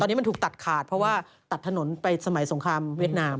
ตอนนี้มันถูกตัดขาดเพราะว่าตัดถนนไปสมัยสงครามเวียดนาม